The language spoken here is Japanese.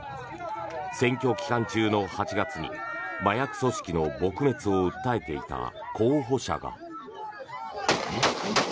選挙期間中の８月に麻薬組織の撲滅を訴えていた候補者が。